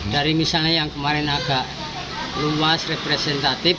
dari misalnya yang kemarin agak luas representatif